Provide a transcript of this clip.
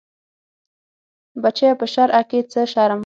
بچيه په شرع کې څه شرم.